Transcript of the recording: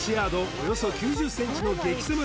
およそ９０ｃｍの激せま